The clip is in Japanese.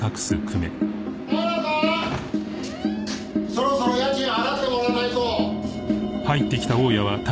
そろそろ家賃払ってもらわないと。